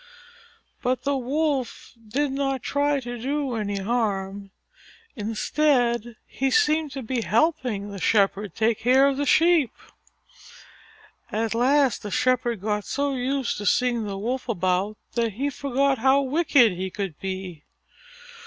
But the Wolf did not try to do any harm. Instead he seemed to be helping the Shepherd take care of the Sheep. At last the Shepherd got so used to seeing the Wolf about that he forgot how wicked he could be.